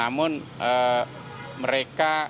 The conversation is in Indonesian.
itu sangat ceritih dan ingin memprinamkan tikus